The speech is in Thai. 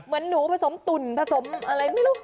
เหมือนหนูผสมตุ่นผสมอะไรไม่รู้